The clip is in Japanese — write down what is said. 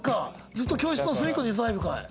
ずっと教室の隅っこにいるタイプかい？